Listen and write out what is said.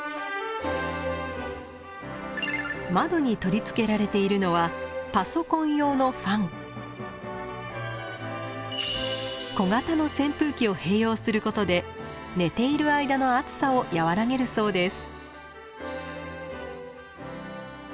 窓に取り付けられているのは小型の扇風機を併用することで寝ている間の暑さをやわらげるそうです。